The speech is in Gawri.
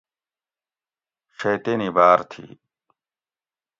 شیطینی باۤر تھی